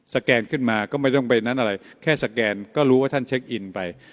แกนขึ้นมาก็ไม่ต้องไปนั้นอะไรแค่สแกนก็รู้ว่าท่านเช็คอินไป